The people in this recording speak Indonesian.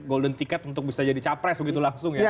golden ticket untuk bisa jadi capres begitu langsung ya